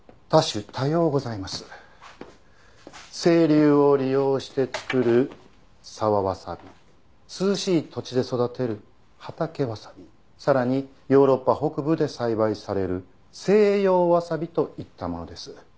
涼しい土地で育てる畑わさびさらにヨーロッパ北部で栽培される西洋わさびといったものです。